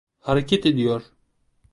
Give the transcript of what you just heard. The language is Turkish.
Hareket ediyor.